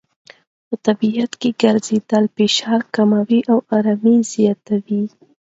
په طبیعت کې ګرځېدل فشار کموي او آرامۍ زیاتوي.